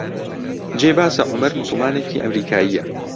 جێی باسە عومەر موسڵمانێکی ئەمریکایییە